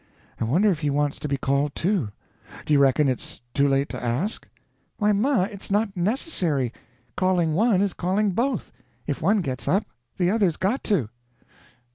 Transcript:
I wonder if he wants to be called too. Do you reckon it's too late to ask?" "Why, ma, it's not necessary. Calling one is calling both. If one gets up, the other's got to."